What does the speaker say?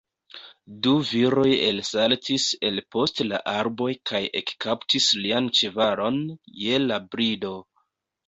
Du viroj elsaltis el post la arboj kaj ekkaptis lian ĉevalon je la brido.